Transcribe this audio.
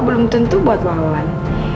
belum tentu buat wawan